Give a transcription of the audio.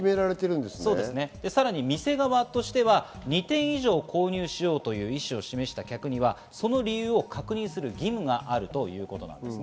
店側としては２点以上購入しようという意思を示した客にはその理由を確認する義務があるということです。